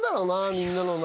みんなのな